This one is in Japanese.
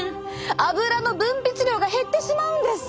アブラの分泌量が減ってしまうんです。